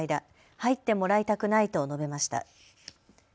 入ってもらいたくないと述べました。